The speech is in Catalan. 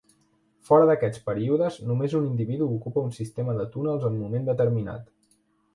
Fora d'aquests períodes només un individu ocupa un sistema de túnels en moment determinat.